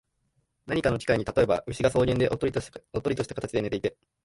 何かの機会に、例えば、牛が草原でおっとりした形で寝ていて、